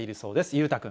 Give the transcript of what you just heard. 裕太君。